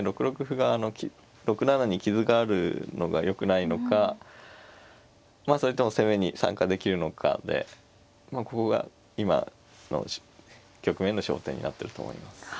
６六歩が６七に傷があるのが良くないのかまあそれとも攻めに参加できるのかでまあここが今の局面の焦点になってると思います。